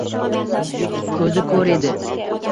Koʻzi koʻr edi.